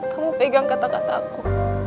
kamu pegang kata kataku